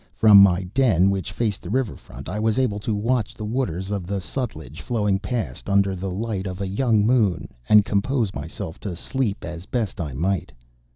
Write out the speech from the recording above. From my den, which faced the river front, I was able to watch the waters of the Sutlej flowing past under the light of a young moon and compose myself to sleep as best I might.